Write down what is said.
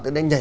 tới đây nhảy